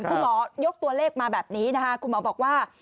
คุณหมอยกตัวเลขมาแบบนี้นะคะคุณหมอบอกว่า